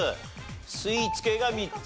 スイーツ系が３つ。